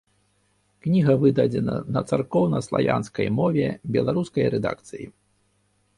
Кніга выдадзена на царкоўна-славянскай мове беларускай рэдакцыі.